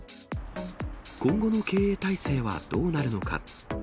今後の経営体制はどうなるのか。